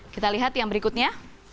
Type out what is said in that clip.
kita lihat yang berikutnya